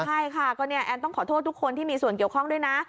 ใช่ค่ะก็เนี่ยแอนต้องขอโทษทุกคนที่มีส่วนเกี่ยวข้องด้วยนะ